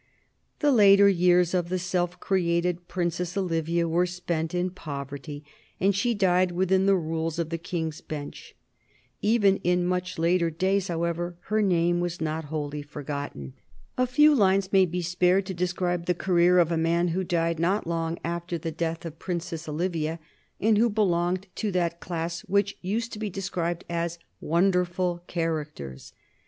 The later years of the self created Princess Olivia were spent in poverty, and she died within the rules of the King's Bench. Even in much later days, however, her name was not wholly forgotten. A few lines may be spared to describe the career of a man who died not long after the death of the Princess Olivia, and who belonged to that class which used to be described as wonderful characters.